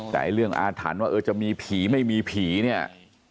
แต่เรื่องอาถรรพ์ว่าเออจะมีผีไม่มีผีเนี่ย